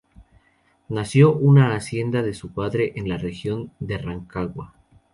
Nació en una hacienda de su padre en la región de Rancagua.